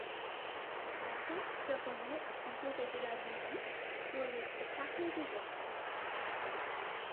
Monckton se remet à composer de la musique pour les spectacles des autres.